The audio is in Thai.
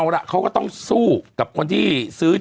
เป็นการกระตุ้นการไหลเวียนของเลือด